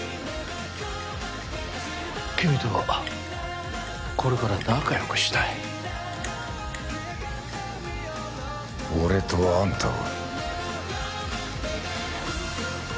君とはこれから仲よくしたい俺とあんたが？